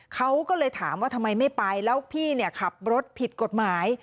เขาก็เลยถามว่าทำไมไม่ไปแล้วพี่เนี่ยขับรถผิดกฎหมาย